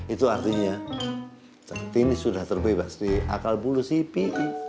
itu artinya jantini sudah terbebas di akal bulu cpi